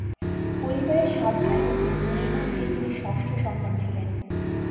পরিবারের সাত ভাই ও তিন বোনের মধ্যে তিনি ষষ্ঠ সন্তান ছিলেন।